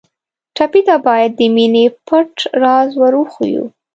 ټپي ته باید د مینې پټ راز ور وښیو.